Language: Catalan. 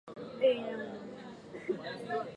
I el tercer eix és el dels ajuts.